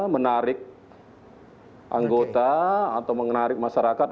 menarik anggota atau menarik masyarakat